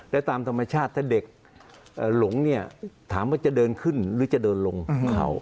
และตามธรรมชาติถ้าเด็กหลงเนี่ยถามว่าจะเดินขึ้นหรือจะเดินลงเขา